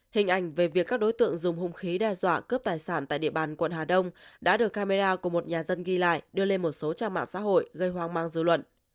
hình ảnh về việc các đối tượng dùng hung khí đe dọa cướp tài sản tại địa bàn quận hà đông đã được camera của một nhà dân ghi lại đưa lên một số trang mạng xã hội gây hoang mang dư luận